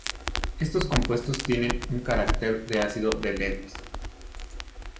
Estos compuestos tienen un carácter de ácido de Lewis.